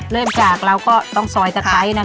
เริ่มจากเราก็ต้องซอยตะไคร้นะคะ